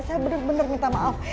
saya bener bener minta maaf